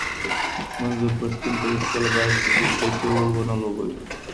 منظور پښتین به هیڅکله داسي جګړه کي رول ونه لوبوي.